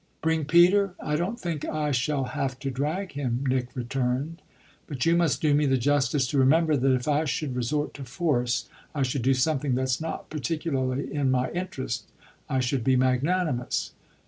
"Bring Peter? I don't think I shall have to drag him," Nick returned. "But you must do me the justice to remember that if I should resort to force I should do something that's not particularly in my interest I should be magnanimous."